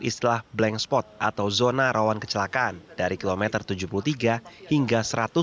islah blank spot atau zona rawan kecelakaan dari km tujuh puluh tiga hingga satu ratus delapan puluh tiga